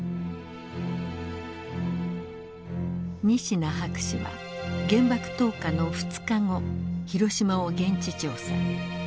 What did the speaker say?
仁科博士は原爆投下の２日後広島を現地調査。